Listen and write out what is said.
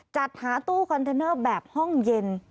จัดหาตู้คอนเทนเนอร์แบบห้องเย็น